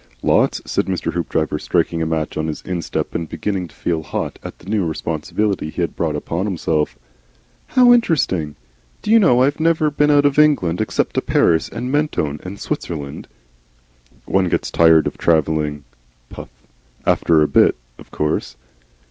"Lots," said Mr. Hoopdriver, striking a match on his instep and beginning to feel hot at the new responsibility he had brought upon himself. "How interesting! Do you know, I've never been out of England except to Paris and Mentone and Switzerland." "One gets tired of travelling (puff) after a bit, of course."